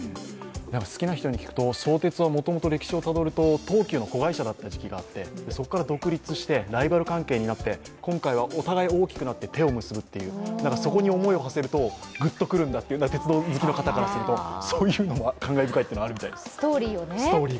好きな人に聞くと、相鉄はもともと歴史をたどると、東急の子会社だった時期があって、そこから独立してライバル関係になって、今回お互い大きくなって手を結ぶという、そこに思いを馳せるとグッとくるんだと、鉄道好きの方からするとそういうのも感慨深いというのはあるみたいです。